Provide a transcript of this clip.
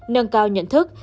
nâng cao nhận thức